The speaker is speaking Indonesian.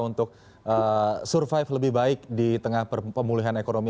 untuk survive lebih baik di tengah pemulihan ekonomi